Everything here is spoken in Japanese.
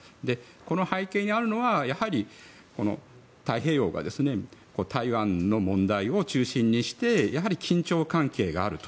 この背景にあるのは太平洋が台湾の問題を中心にしてやはり緊張関係があると。